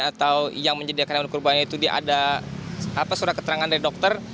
kalau yang menyediakan hewan kurban itu ada surat keterangan dari dokter